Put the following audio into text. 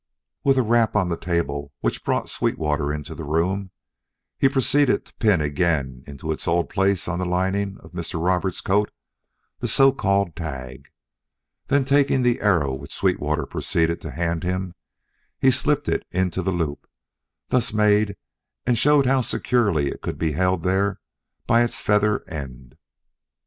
With a rap on the table which brought Sweetwater into the room, he proceeded to pin again into its old place on the lining of Mr. Roberts' coat the so called tag. Then, taking the arrow which Sweetwater proceeded to hand him, he slipped it into the loop thus made and showed how securely it could be held there by its feather end.